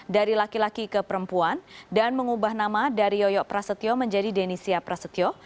dari laki laki ke perempuan dan mengubah nama dari yoyo prasetyo menjadi denisia prasetyo